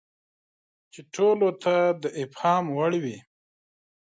چې ټولو ته د افهام وړ وي.